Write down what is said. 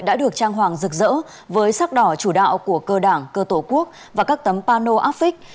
đã được trang hoàng rực rỡ với sắc đỏ chủ đạo của cơ đảng cơ tổ quốc và các tấm pano áp vích